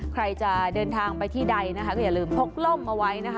ใครจะเดินทางไปที่ใดนะคะก็อย่าลืมพกร่มเอาไว้นะคะ